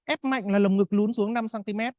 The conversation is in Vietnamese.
ép mạnh là lồng ngực lún xuống năm cm